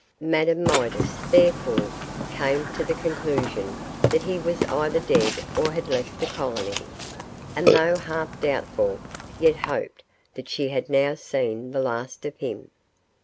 Madame Midas, therefore, came to the conclusion that he was either dead or had left the colony, and though half doubtful, yet hoped that she had now seen the last of him.